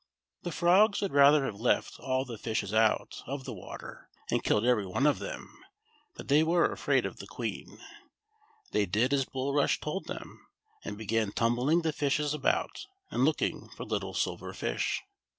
The frogs would rather have left all the fishes out of the water, and killed every one of them ; but they were afraid of the Queen. They did as Bulrush told them, and began tumbling the fishes about and look ing for little Silver Fish.